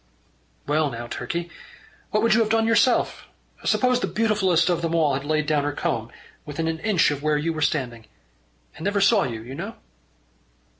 "Well now, Turkey, what would you have done yourself, suppose the beautifulest of them all had laid her comb down within an inch of where you were standing and never saw you, you know?"